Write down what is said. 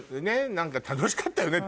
何か楽しかったよねって。